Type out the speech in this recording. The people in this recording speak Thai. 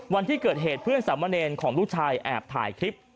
วันที่เกิดเหตุเพื่อนสามเณรของลูกชายแอบถ่ายคลิป